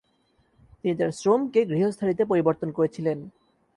তিনি তার শ্রমকে গৃহস্থালিতে পরিবর্তন করেছিলেন।